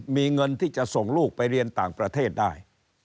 มีเงินที่จะส่งลูกไปเรียนต่างประเทศได้